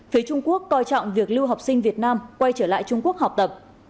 phía trung quốc coi trọng việc lưu học sinh việt nam quay trở lại trung quốc học tập